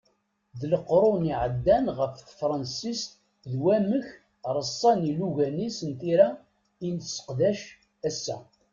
D leqrun i iεeddan ɣef tefransist d wamek reṣṣan ilugan-is n tira i nesseqdac ass-a.